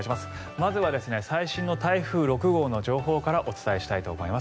まずは最新の台風６号の情報からお伝えしたいと思います。